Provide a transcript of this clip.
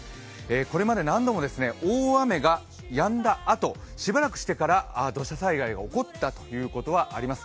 これまで何度も大雨がやんだあと、しばらくしてから土砂災害が起こったということはあります。